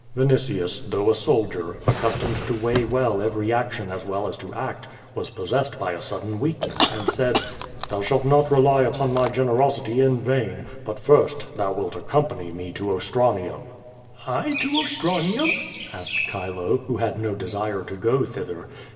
Vinitius, though a soldier, accustomed to weigh well every action as well as to act, was possessed by a sudden weakness, and said: ''Thou shalt not rely upon my generosity in vain, but first thou wilt accompany me to Ostranium." "I to Ostranium?" asked Chilo, who had no desire to go thither.